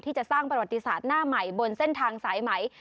จะสร้างประวัติศาสตร์หน้าใหม่บนเส้นทางสายไหม